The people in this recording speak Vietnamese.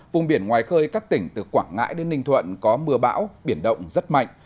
vùng biển ngoài khơi các tỉnh từ quảng ngãi đến ninh thuận có mưa bão biển động rất mạnh